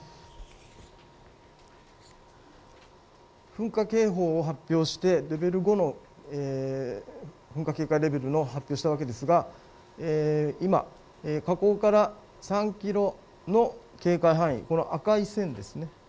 噴火警報を発表してレベル５の噴火警戒レベルを発表したわけですが、今、火口から３キロの警戒範囲、赤い線です。